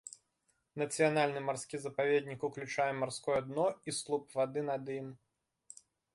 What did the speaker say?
Нацыянальны марскі запаведнік уключае марское дно і слуп вады над ім.